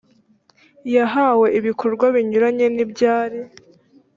yahawe ibikorwa binyuranye n ibyari